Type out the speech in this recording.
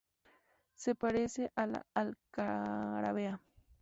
Se parece a la alcaravea.